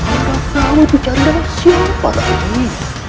apa kau bicara dengan siapa kali ini